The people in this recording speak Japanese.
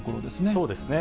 そうですね。